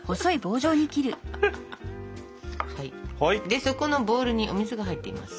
でそこのボウルにお水が入っています。